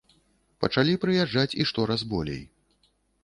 Пачалі прыязджаць і штораз болей!